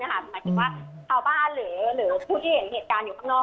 หมายถึงว่าชาวบ้านหรือผู้ที่เห็นเหตุการณ์อยู่ข้างนอก